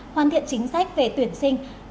hoàn thiện chính sách về tuyển sinh